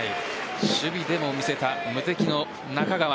守備でも見せた無敵の中川。